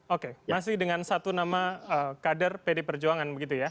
oke masih dengan satu nama kader pd perjuangan begitu ya